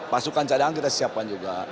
pasukan cadangan kita didisziahkan